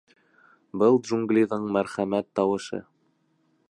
Был — джунглиҙың мәрхәмәт тауышы.